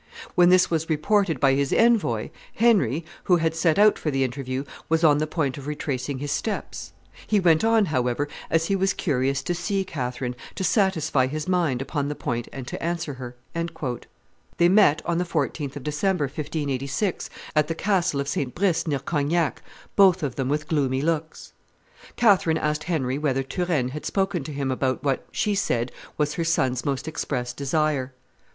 When this was reported by his envoy, Henry, who had set out for the interview, was on the point of retracing his steps; he went on, however, as he was curious to see Catherine, to satisfy his mind upon the point and to answer her." They met on the 14th of December, 1586, at the castle of St. Brice, near Cognac, both of them with gloomy looks. Catherine asked Henry whether Turenne had spoken to him about what, she said, was her son's most express desire.